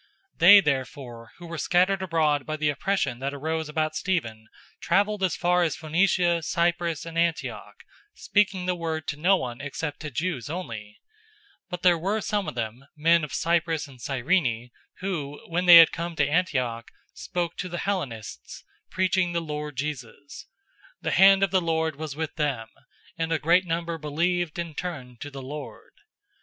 011:019 They therefore who were scattered abroad by the oppression that arose about Stephen traveled as far as Phoenicia, Cyprus, and Antioch, speaking the word to no one except to Jews only. 011:020 But there were some of them, men of Cyprus and Cyrene, who, when they had come to Antioch, spoke to the Hellenists,{A Hellenist is someone who keeps Greek customs and culture.} preaching the Lord Jesus. 011:021 The hand of the Lord was with them, and a great number believed and turned to the Lord.